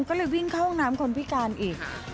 ก็เลยวิ่งเข้าห้องน้ำคนพิการอีก